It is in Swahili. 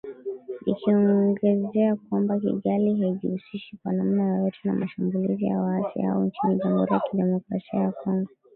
Ikiongezea kwamba “Kigali haijihusishi kwa namna yoyote na mashambulizi ya waasi hao nchini Jamhuri ya Kidemokrasia ya Kongo”